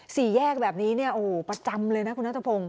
สีแยกแบบนี้ประจำเลยนะคุณน้าตะพง